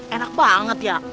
enak banget ya